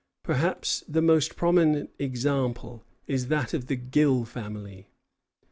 Perhaps the most prominent example is that of the Gill family.